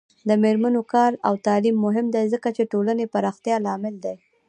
د میرمنو کار او تعلیم مهم دی ځکه چې ټولنې پراختیا لامل دی.